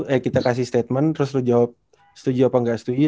eh kita kasih statement terus lu jawab setuju apa nggak setuju